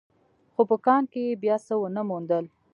خو په کان کې يې بيا څه ونه موندل.